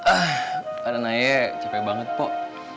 ah pada naya capek banget pok